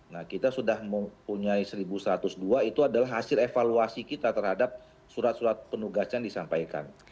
nah kita sudah mempunyai seribu satu ratus dua itu adalah hasil evaluasi kita terhadap surat surat penugasan disampaikan